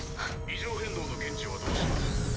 異常変動の検知はどうします？